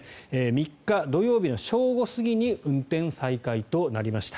３日土曜日の正午過ぎに運転再開となりました。